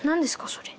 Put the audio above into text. それ。